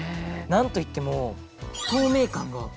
なんといっても透明感が。